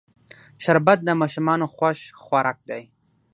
شربت د ماشومانو خوښ خوراک دی